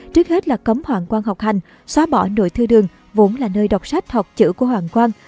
trước hết là cấm hoàn quan học hành xóa bỏ nội thư đường vốn là nơi đọc sách học chữ của hoàn quan